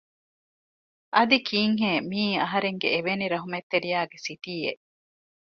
އަދި ކީއްހޭ މިއީ އަހަރެންގެ އެވެނި ރަޙްމަތްރެތިޔާގެ ސިޓީއެއް